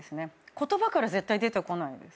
言葉から絶対出てこないです。